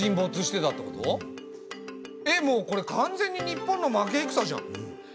えっもうこれ完全に日本の負けいくさじゃん。